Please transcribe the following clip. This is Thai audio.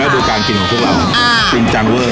ต้องดูการกินของกุกเรากินจังเว่น